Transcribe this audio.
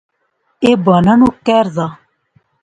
اے بانو نا کہر زا